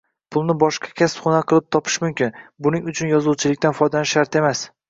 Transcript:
Pulni boshqa kasb-hunar qilib topish mumkin, buning uchun yozuvchilikdan foydalanish shart emas